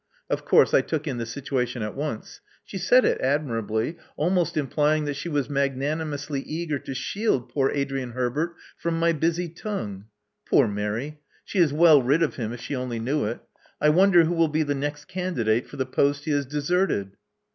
Of course I took in the situation at once. She said it admirably, almost implying that she was magnanimously eager to shield poor Adrian Herbert from my busy tongue. Poor Mary! she is well rid of him if she only knew it. I wonder who will be the next candidate for the post he has deserted!"